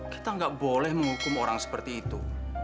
kita nggak boleh menghukum orang seperti itu